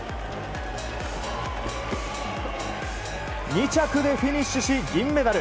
２着でフィニッシュし銀メダル。